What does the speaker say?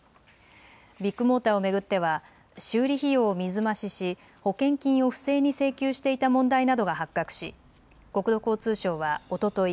ビッグモーターを巡っては修理費用を水増しし保険金を不正に請求していた問題などが発覚し国土交通省はおととい